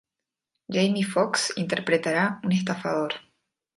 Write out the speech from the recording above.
Jamie Foxx interpretará un estafador.